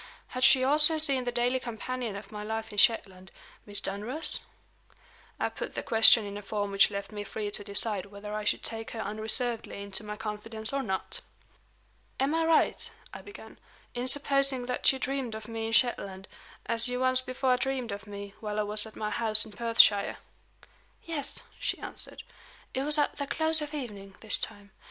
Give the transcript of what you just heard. Had she also seen the daily companion of my life in Shetland Miss Dunross? I put the question in a form which left me free to decide whether I should take her unreservedly into my confidence or not. "Am I right," I began, "in supposing that you dreamed of me in Shetland, as you once before dreamed of me while I was at my house in Perthshire?" "Yes," she answered. "It was at the close of evening, this time.